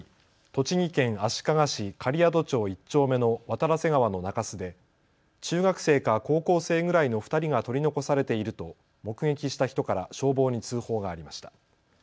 栃木県足利市借宿町１丁目の渡良瀬川の中州で中学生か高校生ぐらいの２人が取り残されていると目撃した人から消防に通報がありました。